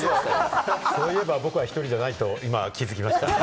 そういえば僕は１人じゃないと今、気づきました。